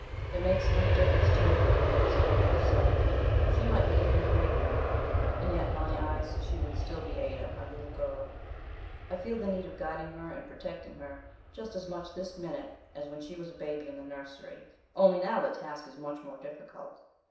It makes no difference to me that Ada is a mother herself; she might be even a great grandmother, and yet in my eyes she would still be Ada, my little girl. I feel the need of guiding her and protecting her just as much this minute as when she was a baby in the nursery; only now the task is much more difficult.